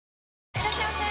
いらっしゃいませ！